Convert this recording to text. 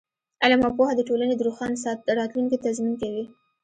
علم او پوهه د ټولنې د روښانه راتلونکي تضمین کوي.